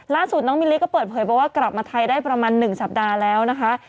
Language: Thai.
ล่าสุดน้องมิลลิก็เปิดเผยบอกว่ากลับมาไทยได้ประมาณ๑สัปดาห์แล้วนะคะ